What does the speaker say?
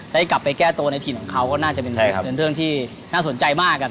และกลับไปแก้ตัวในที่ของเขาคงน่าจะเป็นเรื่องที่น่าสนใจมาก